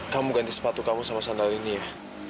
kamu ganti sepatu kamu sama sandal ini ya